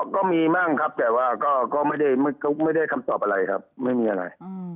ก็มีบ้างครับแต่ว่าก็ไม่ได้คำตอบอะไรครับไม่มีอะไร